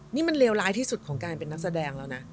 นี่มันเลวร้ายที่สุดของการเป็นนักแสดงแล้วนะ